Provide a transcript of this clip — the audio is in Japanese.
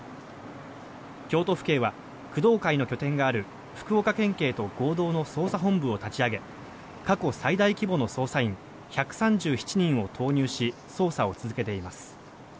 京都府県は工藤会の拠点がある福岡県警と合同の捜査本部を立ち上げ過去最大規模の捜査員１３１人を投入し捜査を続けています。